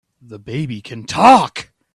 The baby can TALK!